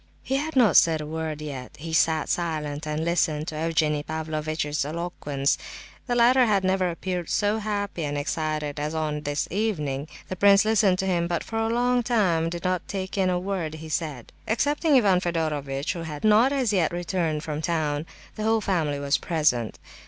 He had not said a word yet; he sat silent and listened to Evgenie Pavlovitch's eloquence. The latter had never appeared so happy and excited as on this evening. The prince listened to him, but for a long time did not take in a word he said. Excepting Ivan Fedorovitch, who had not as yet returned from town, the whole family was present.